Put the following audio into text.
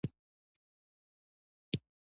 زوی مې وویلې، چې پیشو یې ما ته قهوه راوړه.